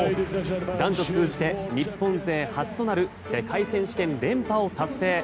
男女通じて日本勢初となる世界選手権連覇を達成。